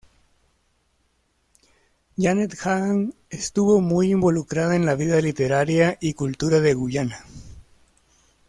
Janet Jagan estuvo muy involucrada en la vida literaria y cultural de Guyana.